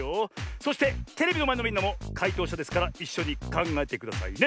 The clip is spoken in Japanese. そしてテレビのまえのみんなもかいとうしゃですからいっしょにかんがえてくださいね。